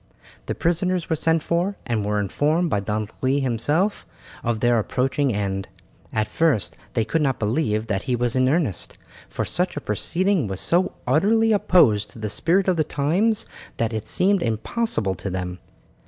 The prisoners were sent for, and were informed by Don Louis himself of their approaching end. At first they could not believe that he was in earnest, for such a proceeding was so utterly opposed to the spirit of the times that it seemed impossible to them.